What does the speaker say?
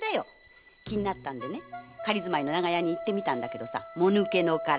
気になったんで仮住まいの長屋に行ってみたけどもぬけの殻。